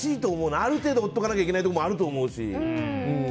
ある程度、放っておかないといけないところもあると思うし。